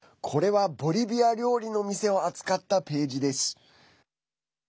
これは、ボリビア料理の店を扱ったページです。